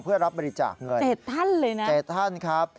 เพื่อรับบริจาคเงิน๗ท่านเลยนะ๗ท่านครับ